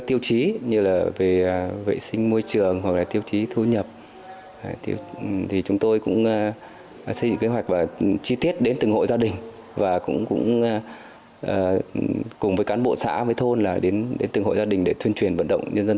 tiêu chí thu nhập cùng với đó là có sự hỗ trợ từ nguồn vốn